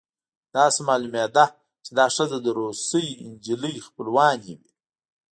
داسې معلومېده چې دا ښځې د روسۍ نجلۍ خپلوانې وې